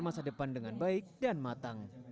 masa depan dengan baik dan matang